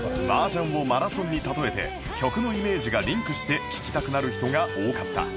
麻雀をマラソンに例えて曲のイメージがリンクして聴きたくなる人が多かった